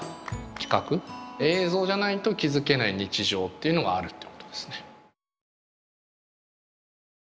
映像じゃないと気付けない日常っていうのがあるってことですね。